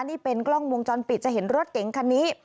นี่เป็นกล้องวงจรปิดจะเห็นรถเก๋งคันนี้